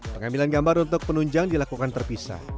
pengambilan gambar untuk penunjang dilakukan terpisah